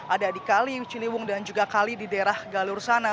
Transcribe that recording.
ada di kali ciliwung dan juga kali di daerah galur sana